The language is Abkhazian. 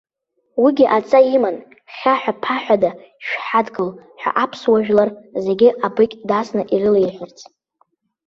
Уигьы адҵа иман хьаҳәа-ԥаҳәада шәҳадгыл ҳәа аԥсуа жәлар зегьы абыкь дасны ирылеиҳәарц.